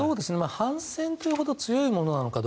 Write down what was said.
反戦というほど強いものなのか。